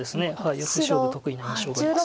ヨセ勝負得意な印象があります。